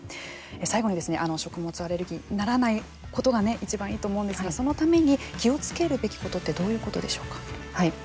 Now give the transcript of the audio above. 最後に、食物アレルギーにならないことが、いちばんいいと思うんですが、そのために気をつけるべきことってどういうことでしょうか。